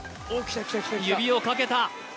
指をかけた。